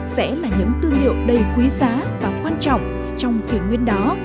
sẽ là những tư liệu đầy quý giá và quan trọng trong kỷ nguyên đó